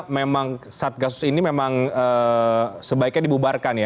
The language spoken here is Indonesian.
memang satgasus ini memang sebaiknya dibubarkan ya